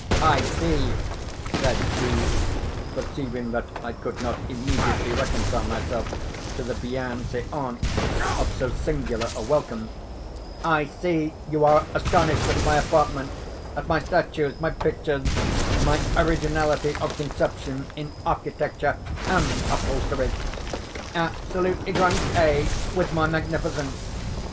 "I see," said he, perceiving that I could not immediately reconcile myself to the bienseance of so singular a welcome—"I see you are astonished at my apartment—at my statues—my pictures—my originality of conception in architecture and upholstery! absolutely drunk, eh, with my magnificence?